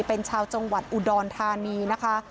เป็นชาวจังหวัดอุดรธานีนะคะ